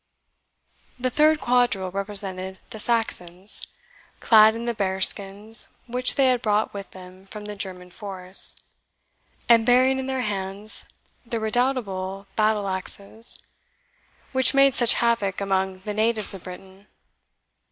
The third quadrille represented the Saxons, clad in the bearskins which they had brought with them from the German forests, and bearing in their hands the redoubtable battle axes which made such havoc among the natives of Britain.